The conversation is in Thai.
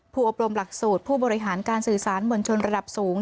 อบรมหลักสูตรผู้บริหารการสื่อสารมวลชนระดับสูง